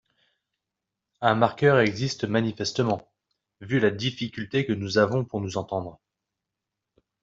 Un marqueur existe manifestement, vu la difficulté que nous avons pour nous entendre.